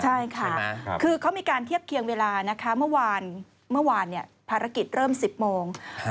ใช่ค่ะคือเขามีการเทียบเคียงเวลานะคะเมื่อวานภารกิจเริ่ม๑๐โมง